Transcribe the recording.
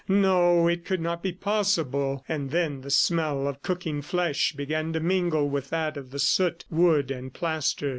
No, it could not be possible ... and then the smell of cooking flesh began to mingle with that of the soot, wood and plaster.